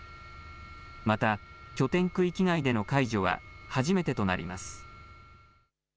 また、拠点区域外での解除は初めてとなります。